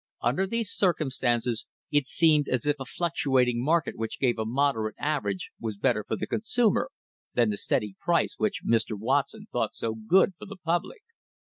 Under these circum stances it seemed as if a fluctuating market which gave a moderate average was better for the consumer than the steady high price which Mr. Watson thought so good for the pub lic.